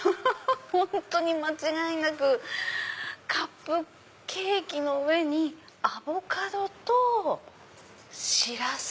本当に間違いなくカップケーキの上にアボカドとシラスですよ。